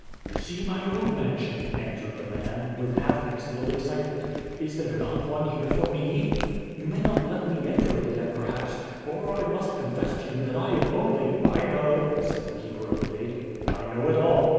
"To see my own mansion," answered the man, with half concealed excitement. "Is there not one here for me? You may not let me enter it yet, perhaps, for I must confess to you that I am only " "I know," said the Keeper of the Gate "I know it all.